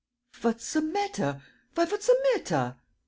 "What's the matter? ... Why, what's the matter?"